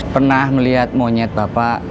pernah melihat monyet bapak